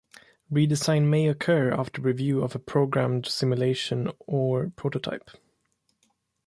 Redesign may occur after review of a programmed simulation or prototype.